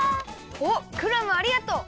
おっクラムありがとう！